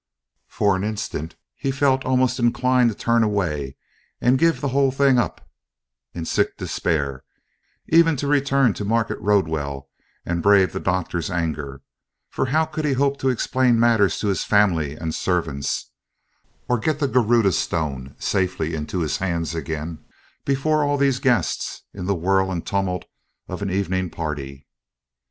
For an instant he felt almost inclined to turn away and give the whole thing up in sick despair even to return to Market Rodwell and brave the Doctor's anger; for how could he hope to explain matters to his family and servants, or get the Garudâ Stone safely into his hands again before all these guests, in the whirl and tumult of an evening party?